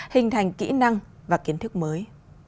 hình thành kỹ năng và kiến thức mới